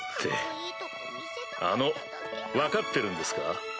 あの分かってるんですか？